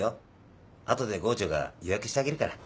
後で郷長が予約してあげるから。